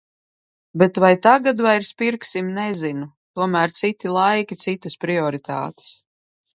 Bet vai tagad vairs pirksim, nezinu. Tomēr citi laiki, citas prioritātes.